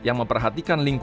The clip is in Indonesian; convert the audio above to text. yang memperhatikan laki laki